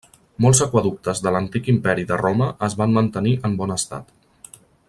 Molts aqüeductes de l'antic imperi de Roma es van mantenir en bon estat.